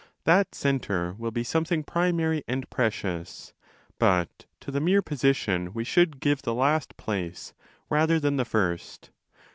That centre will be something primary and precious; but to the mere position we should give the last place rather than the first.